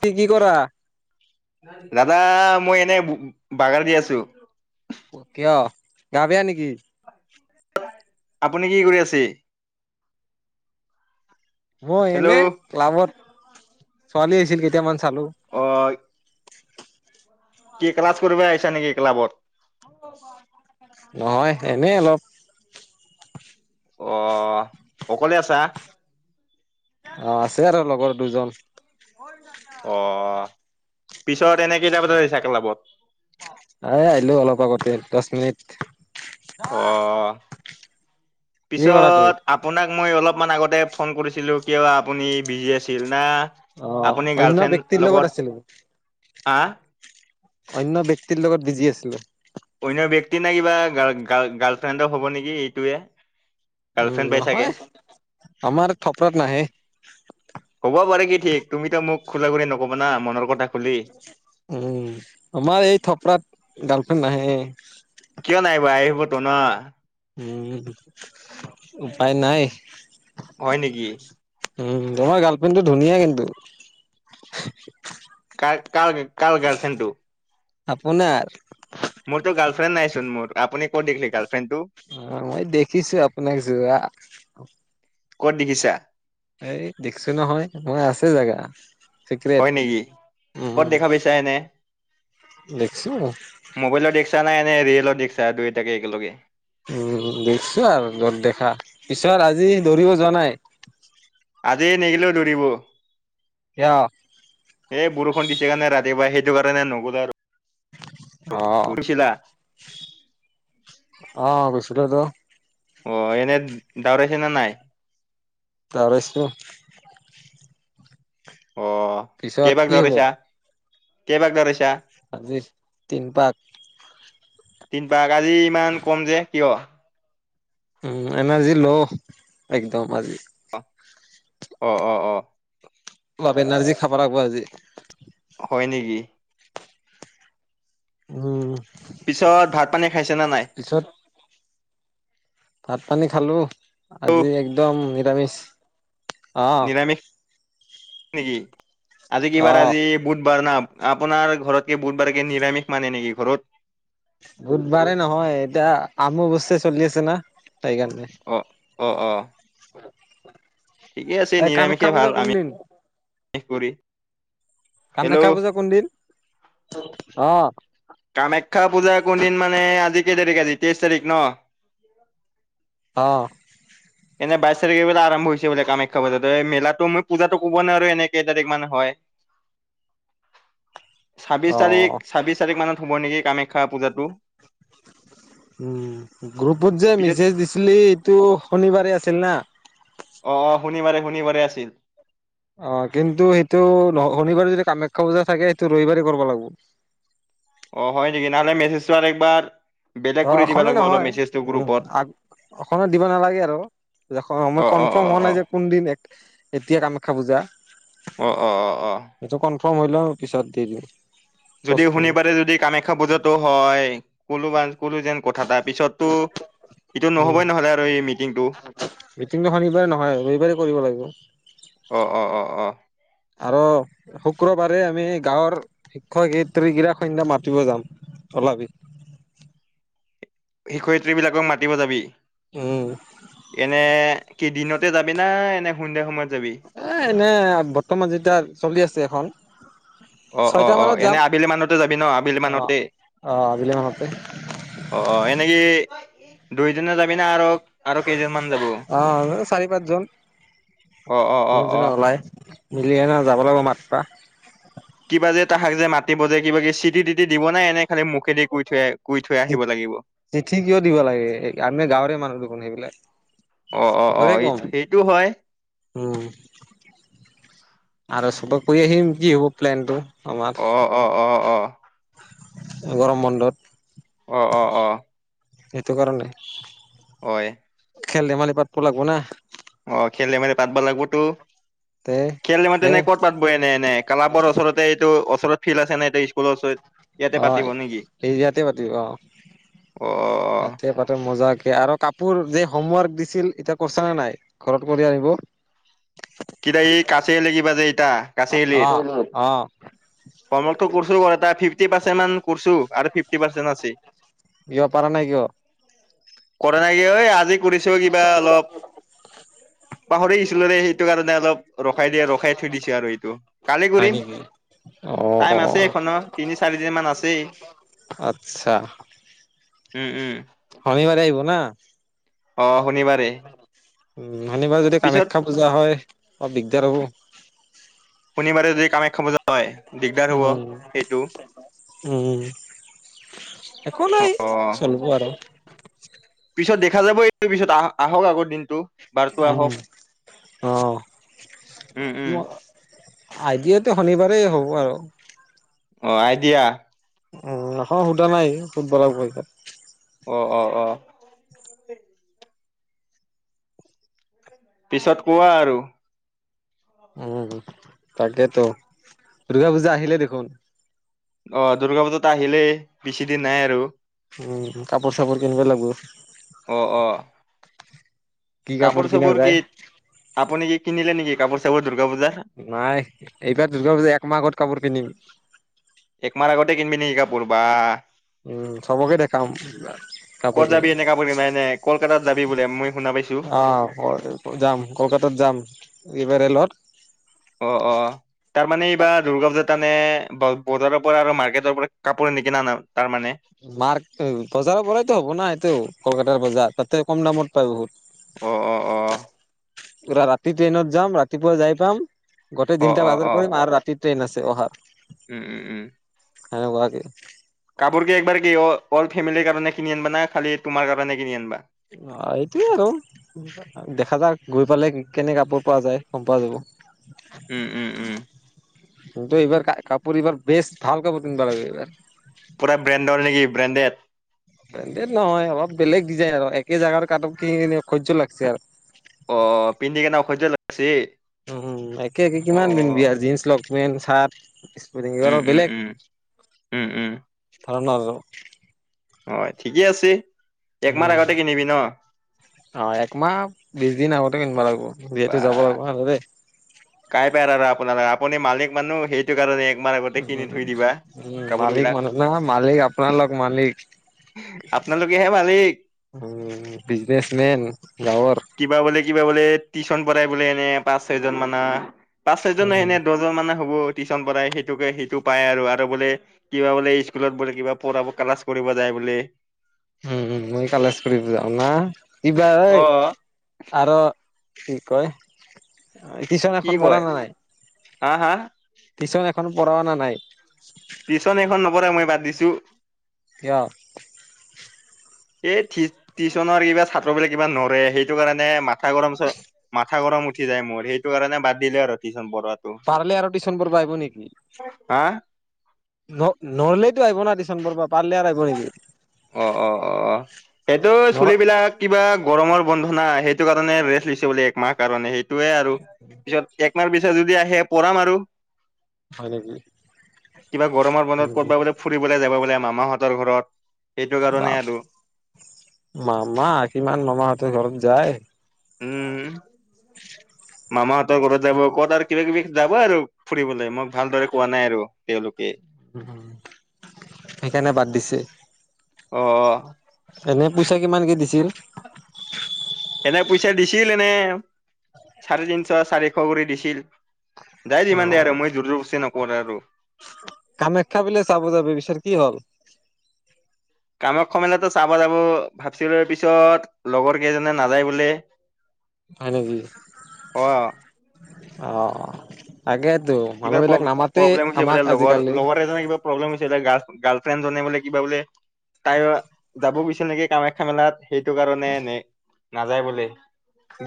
কি কি কৰা দাদা মই এনে বাগাৰ দি আছো। কিয় গা বেয়া নেকি? আপুনি কি কৰি আছে? মই হেল্ল' এনে ক্লাবত ছোৱালী আছিল কেইটামান চালো অ কি ক্লাছ কৰিব আহিছা নেকি ক্লাবত। নহয় এনেই অলপ অহ অকলে আছা অ আছে আৰু লগৰ দুজন, অ পিছত এনে কেইটা বজাত [unintelligible] ওলাব এ আহিলো অলপ আগতে দচ মিনিট, অহ কি কৰা তুই পিছত আপোনাক, মই অলপমান আগতে ফোন কৰিছিলোঁ কিয় আপুনি বিজি আছিল না? অ আপুনি অন্য গাৰ্লফ্ৰেণ্ড ব্যক্তিৰ লগত আছিলে, আহ, অন্য ব্যক্তিৰ লগত বিজি আছিলো অন্য ব্যক্তি নে কিবা গাল গাল গাল গাৰ্লফ্ৰেণ্ড হব নেকি এইটোৱে উম গাৰ্লফ্ৰেণ্ড পাই চাগে নহয় আমাৰ থপৰাত নাহে হ'ব পাৰে কি ঠিক তুমিতো মোক খোলা নকবা না মনৰ কথা খুলি উম আমাৰ এই থপৰাত গাৰ্লফ্ৰেণ্ড নাহে কিয় নাহিব আহিবতো ন উম উপায় নাই হয় নেকি উম তোমাৰ গাৰ্লফ্ৰেণ্ড টো ধুনীয়া কিন্তু কাৰ কাৰ গাৰ্লফ্ৰেণ্ডটো আপোনাৰ মোৰতো গাৰ্লফ্ৰেণ্ড নাইচোন মোৰ আপুনি কত দেখিলে গাৰ্লফ্ৰেণ্ড। অ' মই দেখিছো আপোনাক যোৱা। ক'ত দেখিছা? এই দেখছো নহয় মই আছে জাগা। হয় নেকি ক'ত দেখা পাইছা এনে দেখছো মোবাইলত দেখছা নে এনে ৰিয়েলত দেখছা দুয়োটাকে একেলগে উম, দেখছো আৰু য'ত দেখা পিছত আজি দৌৰিব যোৱা নাই। আজি নিগিলেও দৌৰিব কিয় এই বৰষুণ দিছে কাৰণে ৰাতিপুৱা সেই সেইটো কাৰণে নগলো আৰু। অহ, দৌৰিছিলা অ' গৈছিলো তো। অ' এনে দাওৰাইছে নে নাই? দাওৰাইছে। অ' পিছত কেইবাগ কি হব দাওৰাইছা, কেইবাগ দাওৰাইছা, আজি তিন পাক‌। তিনপাক আজি ইমান কম যে কিয়? উম, এনাৰ্জি ল' একদম আজি। অহ-অহ-অহ-অহ, অলপ এনাৰ্জি খাব লাগব আজি। হয়, নেকি? উম, পিছত ভাত পানী খাইছে নে নাই? পিছত ভাত পানী খালো আজি একদম নিৰামিষ অ', হয়, নেকি আজি অ কিবাৰ আজি বুধবাৰ না আপোনাৰ ঘৰত বুধবাৰে কি নিৰামিষ মানে নেকি ঘৰত। বুধবাৰে নহয় এতিয়া আমোবচ্চি চলি আছে না সেইকাৰণে। অ-অ, এই কামাখ্যা নিৰামিষে ভাল পূজা কোন আমিষ দিন। কৰি কামাখ্যা হেল্ল' পূজা কোন দিন অ', কামাখ্যা পূজাৰ কোনদিন মানে আজি কেই তাৰিখ আজি তেইশ তাৰিখ ন। অ', এনে বাইছ তাৰিখে বোলে আৰম্ভ হৈছে বোলে কামাখ্যা পূজা। এই মেলাটো মই পূজাটো ক'ব নোৱাৰোঁ। এনে কেই তাৰিখ মানে হয়? [inaudible] ছাব্বিশ তাৰিখ, ছাব্বিশ তাৰিখ মানত হ'ব নেকি কামাখ্যা পূজাটো? উম, গ্ৰুপত যে পিছত মেছেজ দিছিলি, এইটো শনিবাৰে আছিল না? শনিবাৰে-শনিবাৰে বাৰে আছিল। অ', কিন্তু সেইটো শনিবাৰে যদি কামাখ্যা পূজা থাকে, সেইটো ৰবিবাৰেই কৰিব লাগিব। [inaudible] অ', হয় নেকি? নহ'লে মেছেজটো আৰু একবাৰ বেলেগ অ', কৰি দিবা এখনে লাগিব অলপ নহয়। মেছেজটো উম, গ্ৰুপত এখনে দিবা নালাগে আৰু। দেশ মই অ অ কনফাৰ্ম অ হোৱা অ নাই যে কোন দিন এক এতিয়া কামাখ্যা পূজা, অ অ অ অ সেইটো কনফাৰ্ম হৈ লওঁ, পিছত দি দিওঁ। যদি শনিবাৰে, যদি কামাখ্যা পূজাতটো হয়। কলো বাছ কলো যেন কথাটা পিছততো, এইটো উম নহ'বই, নহ'লে আৰু এই মিটিংটো। মিটিংটো শনিবাৰে নহয় ৰবিবাৰে কৰিব লাগিব অ অ অ অ আৰু শুক্ৰবাৰে আমি গাঁৱৰ শিক্ষয়িত্ৰীগিলাক সন্ধিয়া মাতিব যাম। ওলাবি। শিক্ষয়িত্ৰীবিলাকক মাতিব যাবি, উম এনে কি দিনতে যাবি না এনে সন্ধিয়া সময়ত? যাবি এ, এনে বৰ্তমান যেতিয়া চলি আছে এখন। অ, অ, ছয়টা অ, মানত এনে যাম আবেলি মানতে যাবি ন' আবেলি অ মানতে? অ আবেলি মানতে অ অ এনেই কি দুইজনে যাবি না আৰু আৰু কেইজনমান যাব অ চাৰি-পাঁচজন। অ অ অ জোনে অ জোনে ওলাই মিলি এনা যাব লাগিব মাত তা কিবা যে, তাহাক যে মাতিব, যে কিবা কি চিটি-তিটি দিব নাই, এনে খালি মুখেদি কৈ থৈ কৈ থৈ আহিব লাগিব চিঠি কিয় দিব লাগে? আমি গাঁৱৰে মানুহ দেখোন সেইবিলাক। অ', অ', অ', মুখেৰে এই কম সেইটো হয়। উম, আৰু চবে কৰি আহিম কি হ'ব প্লেনটো। আমাৰ অ', অ', অ', অ'। গৰম বন্ধত। অ অ অ সেইটো কাৰণে। হয়। খেল-ধেমালি পাতব লাগব না। অ', খেল-ধেমালি পাতবা লাগবতো। তে এ খেল-ধেমালি ক'ত পাতিব, এনে-এনে ক্লাবৰ ওচৰতে, এইটো ওচৰত ফিল্ড আছে ন এটা স্কুলৰ ওচৰত। ইয়াতে অহ, পাতিব নেকি ইয়াতে পাতিব অ। অ তাতে পাতক মজাকে আৰু কাপোৰ যে হোমৱৰ্ক দিছিল, এতিয়া কৰছা না নাই? ঘৰত কৰি আনিব। এই কাচিয়ালি কিবা যে এইটা কাচিয়ালিত। অ', হোমৱৰ্কটো কৰছোঁ, এটা ফিফটি পাৰ্চেন্ট মান কৰছোঁ। আৰু ফিফটি পাৰ্চেন্ট আছে। কিয় পাৰা নাই কিয়? কৰা নাই কিয় ঐ? আজি কৰিছোঁ কিবা অলপ। পাহৰি গেইছিলোঁ ৰে, সেইটো কাৰণে অলপ ৰখাই দিয়ে, ৰখাই থৈ দিছে আৰু এইটো। কালি হয় কৰিম। নেকি? অ', টাইম আছে অ', এখনৰ তিনি-চাৰিদিনমান আছেই। আচ্ছা। উম, উম। শনিবাৰে আহিব না? অ', শনিবাৰে। উম শনিবাৰে যদি পিছত কামাখ্যা পূজা হয়, অলপ দিগদাৰ হ'ব। শনিবাৰে যদি কামাখ্যা পুজা হয় দিগদাৰ হব উম, সেইটো। উম, একো নাই অ চলিব আৰু। পিছত দেখা যাব এই পিছত আহক আগৰ দিন। টো বাৰটো উম, আহক অ'। উম উম। মোৰ আইডিয়াটো শনিবাৰেই হ'ব আৰু। অ' আইদিয়া। উম, এখন সোধা নাই ফুটবলৰ পৰিক্ষাত [inaudible] অঁ অঁ অঁ। পিছত কোৱা আৰু। উম, তাকেইেতো দুৰ্গা পূজা আহিলে দেখোন। অ' দূৰ্গা পূজা আহিলেই বেছি দিন নাই আৰু। উম কাপোৰ- চাপোৰ কেনিব লাগিব। অ অ কি কাপোৰ কিনা চাপোৰ যায় কি আপুনি কি কিনিলে নেকি কাপোৰ- চাপোৰ? দুৰ্গা পূজাৰ নাই এইবাৰ দুৰ্গা পূজা একমাহ আত কাপোৰ কিনিম। একমাৰ আগতে কিনিবি নাকি কাপোৰ বা। উম চবকে দেখাম ক'ত কাপোৰ যাবি কিনি। এনে কাপোৰ কিনিব এনে কলকাতাত যাবি বোলে মই শুনা পাইছো অ' যাম কলকাতাত যাম এইবাৰ ৰেলত। অ অ তাৰ মানে এইবাৰ দূৰ্গা পূজাৰ মানে বৰ্জাৰৰ পৰা আৰু মাৰ্কেটৰ পৰা কাপোৰ নিকিনা না? তাৰমানে মাৰ বজাৰৰ পৰাইতো হ'ব না সেইটো কলকাতাৰ বজাৰ তাতে কম দামত পায় অ অ বহুত। ৰা ৰাতি ট্ৰেইনত যাম ৰাতিপুৱা যাই পাম অ গোটেই অ দিনটা অ বাজাৰ অ কৰিম আৰু ৰাতি ট্ৰেইন আছে অহা উম উম উম এনেুৱাকে কাপোৰ কি একবাৰ কি অ অল ফেমিলিৰ কাৰণে কিনি আনিবা না খালি তোমাৰ কাৰণে কিনি আনিবা অ এইটোয়ে আৰু দেখা যাক গৈ পালে কেনেক কাপোৰ পোৱা যায় গম পোৱা যাব উম উম উম [unintelligible] কি এইবাৰ কাপোৰ এইবাৰ বেস্ট ভাল কাপোৰ ততিিন পাৰাই এইবাৰ পুৰা ব্ৰেণ্ডৰ নেকি ব্ৰেণ্ডেড ব্ৰেণ্ডেড নহয় অলপ বেলেগ ডিজাইন আৰু একে জেগাৰ কাপোৰ কিনি কিনি অসহ্য লাগছে আৰু অ পিন্ধি কেনে অসহ্য লাগছে উ একে কিমান পিন্ধিবি বিয়া জিন্স লগ পেনট চাৰ্ট উম সাৰ উম বেলেগ উম উম উম ধৰণৰ আৰু হয় ঠিকেই আছে একমাহ উম আগতে কিনিবি ন অ একমাহ বিছ দিন আগতে কেনবা লাগিব ইয়া বা যাব লাগিব ন দ দেই কাই পাৰ আৰু আপোনালোক আপুনি মালিক মানুহ সেইটো কাৰণে একমাহ আগতে উ কিনি থৈ দিবা উম কাপোৰ মালিক বিলাক মানুহ না মালিক আপোনালগ মালিক আপোনালোকেহে মালিক উ বিজনেচ মেইন কিবা বোলে কিবা বোলে টিউশ্যন পঢ়াই বোলে এনে পাঁচ ছয় জন মানৰ পাঁচ ছয়জন উম। সেনে দহজন মানে টিউচন পএসেইোকে সেইটো প আৰু বোলে কিবা বোলে স্কুলত বোলে কিবা প ক্লা যায় বুলি উম মই কাল্লাচ কৰিব যাও না কিবা ঐ অ আৰু কি কয় কি টিউচনএখন কৰা কয় নে নাই হা হা টিউশ্যন এখন পঢ় অ না নাই টিউচন এখন নপঢ়াই মই বাদ দিছো কঅ এইি টিউচনৰ কিবা ছাত্ৰবিলাক কিবা নৰে সেইটো কাৰণে মাথা গৰম মাথা গৰম উঠি যায় মোৰ সেইটো কাৰণে বাদ দিলে আৰু টিউচন পৰাত পাৰলে আৰু টিউচন পঢ়িব আহিব নেকি? হা ন-নলেতো আহিব না। টিউচন পঢ়িব [unintelligible] অ', অ', অ', হেইটো নৰ চুলিবলাক কিবা গৰমৰ বন্ধ না সেইটো কাৰণে ৰেষ্ট লৈছে বোলে একমাহৰ কাৰণে সেইটোয়ে আৰু পিছত একমাহৰ পিছ যদি আহে পঢ়াম আৰু। হয় নেকি? কিবা গৰমৰ মনত উম কৰ'বাত বোলে ফুৰিবলৈ যাবা বোলে মামাহত তৰ ঘৰত। বা মামা কিমান মামাহঁতৰ ঘৰত যায়। উম। মামাহঁতৰ ঘৰত যাব ক'ত আৰু কিবা কিবি যাব আৰু ফুৰিবলৈ মোক ভালদৰে কোৱা নাই আৰু তেওঁলোকে। উহো, সেইকাৰণে বাদ দিছে? অ'। এনে পইচা কিমানকে দিছিল? এনে পইচা দিছিল এনে চাৰে তিনশ চাৰিশ কৰি দিছিল। যাই অ যিমান দে আৰু মই জোৰ যবস্তি নকৰোয়ে আৰু। কামাখ্যা বোলে চাব যাবি বিচাৰ কি হ'ল? কামাখ্য মেলাটো চাব যাব ভাবিছিলো পিছত লগৰকেইজনে নাযায় বোলে। হয় নেকি? অ অ', তাকে কিবা প্ৰব-প্ৰব্লেম হৈছে আজিকালি লগৰ-লগৰ এজনে কিবা প্ৰব্লেম হৈছে তাৰ গাৰ্ল ফ্ৰেন জনে বোলে কিবা বোলে তাই যাব গৈছে নেকি কামাখ্যা মেলাত। সেইটো কাৰণে নে নাযায় বোলে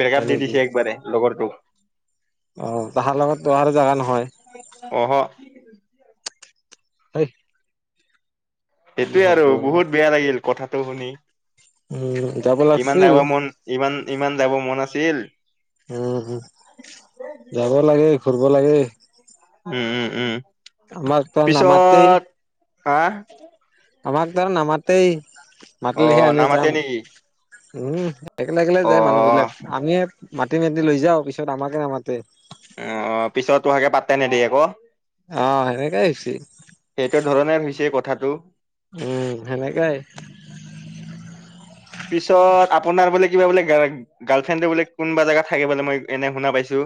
ব্ৰেক হয় আপ দি নেকি? দিছে একবাৰে লগৰটোক। অ', তাহাৰ লগতটো আৰু জাগা নহয়? অহ'। হৈ। সেইটোয়ে আৰু বহুত বেয়া লাগিল কথাটো শুনি। উম যাব ইমান লাগছিল। যাবৰ মন ইমান-ইমান যাবৰ মন আছিল। উম, যাব লাগে ঘুৰিব লাগে। উম-উম-উম, আমাক ত নামাতেই পিছত হা? আমাক ধৰা নামাতেই, অ মাতিলেহে আমি নামাতে যাম। নেকি উম, একেল একেলে যায় মানুহ অ বিলাক আমিয়ে মাতি মতি লৈ যাও পিছত আমাকে নামাতে। অ', পিছত পাত্তাই নিদিয়ে আকৌ। অ' সেনেকেই হৈছে। সেইটো ধৰণে হৈছে কথাটো। উম, সেনেকাই। পিছত আপোনাৰ বোলে কিবা বোলে গাল-গাৰ্লফ্ৰেণ্ড এ বোলে কোনবা জেগাত থাকে বোলে মই এনে শুনা পাইছো।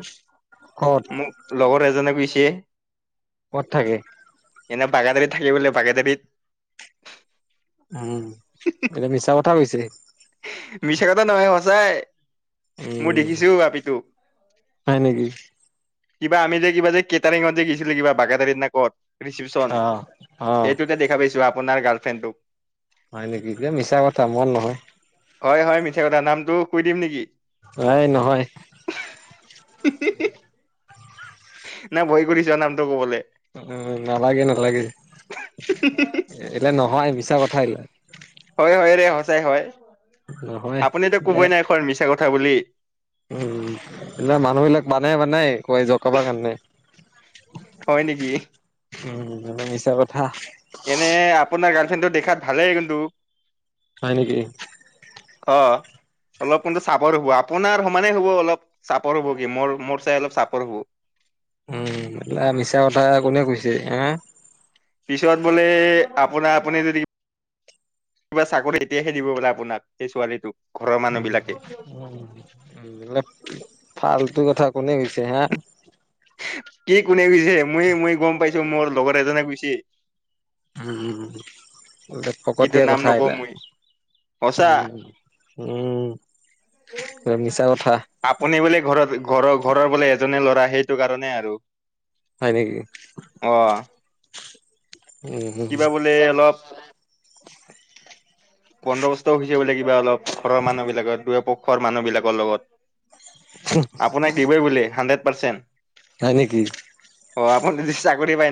কত মোক লগৰ এজনে কৈছে। ক'ত থাকে? এনে বাগাদাৰীত থাকে বোলে বাগাদাৰীত। উম, এতিয়া মিছা কথা কৈছে। মিছা কথা নহয় সঁচাই। মই উম দেখিছো আপিটোক। হয় নেকি কিবা আমি যে কিবা যে কেটাৰিঙত যে গিছিলো কিবা বাগাদাৰীত না কত। ৰিচিপচন অ অ সেইটোতে দেখা পাইছো আপোনাৰ গাৰ্লফ্ৰেণ্ডটোক। হয় নেকি? এতিয়া মিছা কথা মৰ নহয়। হয়-হয় মিছা কথা নামটো কৈ দিম নেকি? এই নহয়। হি, হি, হিহ। [unintelligible] নাই ভয় কৰিছা নামটো কবলে? উম, নালাগে নালাগে এইলে নহয় মিছা কথা এইলক। তেই হয় নহয় আপুনিতো দে কবই নাই কোৱা মিছা কথা বুলি। উম, এইিল মানুহ বিলাক মানে বানে ক য কাবা কাৰণে হয় নেকি? উ মানে মিছা কথা এনে আপোনাৰ গাৰ্লফ্ৰেণ্ডটো দেখাত ভালেই কিন্তু, হয় নেকি? অ, অলপ কিন্তু চাপৰ হ'ব আপোনাৰ সমানে হ'ব অলপ চাপৰ হ'ব কি মোৰ মোৰ চাই অলপ চাপৰ হ'ব। উম মা মিছা কথা কোনে কৈছে হ পিছত বোলে আপোনাৰ আপুনি যদি কিবা চাকৰি এতিয়াহে দিব পোলে আপোনাক সেই ছোৱালীটোক ঘৰৰ মানুহ বিলাকে [inaudible] ফাল্টু কথা কোনে কৈছে হা। কি কোনে গুছে মই মই গম পাইছো মোৰ লগৰ এজনে গুছে উ, কিন্তু ফাকাতিয় নাম কথা নকওঁ ইয়া। মই সঁচা উম-উম মিছা কথা। আপুনি বোলে ঘৰত-ঘৰৰ-ঘৰৰ বোলে এজনে ল'ৰা সেইটো কাৰণে আৰু হয় নেকি? অ উম কিবা বোলে অলপ বন্দবস্ত হৈছে বোলে। কিবা অলপ ঘৰৰ মানুহ বিলাকৰ দুয় পক্ষৰ। আপাক দিবই হ হয় নেকি? অ, আপু নিজ চাকৰি পায়, ন